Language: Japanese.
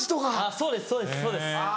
そうですそうです。